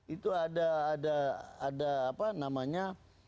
itu ada apa namanya